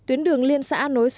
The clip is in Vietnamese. tuyến đường liên xã an nối